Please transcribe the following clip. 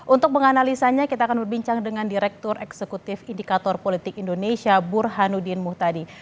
untuk menganalisanya kita akan berbincang dengan direktur eksekutif indikator politik indonesia burhanuddin muhtadi